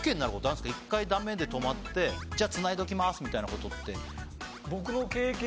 一回駄目で止まって「じゃあつないどきます」みたいなことって。